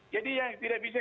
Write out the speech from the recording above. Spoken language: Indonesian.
jadi yang tidak bisa